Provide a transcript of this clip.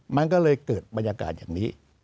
มันก็เลยเกิดบรรยากาศอย่างนี้